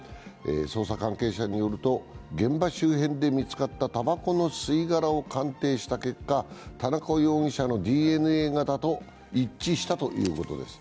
捜査関係者によると、現場周辺で見つかったたばこの吸い殻を鑑定した結果、田中容疑者のＤＮＡ型と一致したということです。